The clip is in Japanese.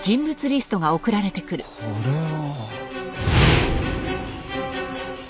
これは！